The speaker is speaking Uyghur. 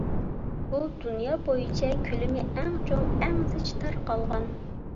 بۇ دۇنيا بويىچە كۆلىمى ئەڭ چوڭ، ئەڭ زىچ تارقالغان.